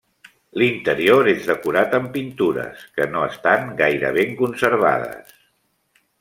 L'interior és decorat amb pintures, que no estan gaire ben conservades.